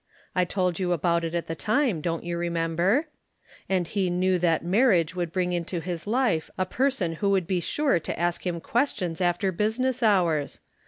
I told you about it at the time, don't you remember? and he knew that marriage would bring into his life a person who would be sure to ask him questions after business hours.